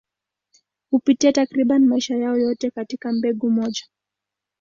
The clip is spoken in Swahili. Hupitia takriban maisha yao yote katika mbegu moja.